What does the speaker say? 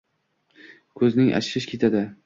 Ko‘zing achishib ketadi.